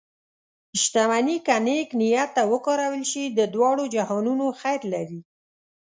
شتمني که نیک نیت ته وکارول شي، د دواړو جهانونو خیر لري.